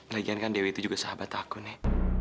lagian kan dewi itu juga sahabat aku nih